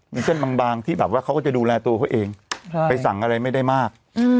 มีเส้นบางที่แบบว่าเขาก็จะดูแลตัวเขาเองไปสั่งอะไรไม่ได้มาก